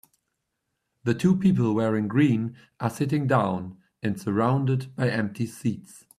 The two people wearing green are sitting down and surrounded by empty seats.